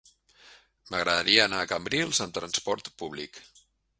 M'agradaria anar a Cambrils amb trasport públic.